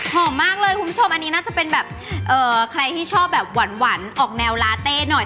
หอมมากเลยคุณผู้ชมอันนี้น่าจะเป็นแบบใครที่ชอบแบบหวานออกแนวลาเต้หน่อย